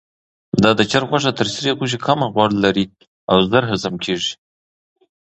دا د چرګ غوښه تر سرې غوښې کمه غوړ لري او ژر هضم کیږي.